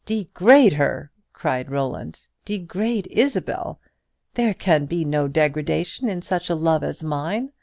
"Degrade her!" cried Roland; "degrade Isabel! There can be no degradation in such a love as mine.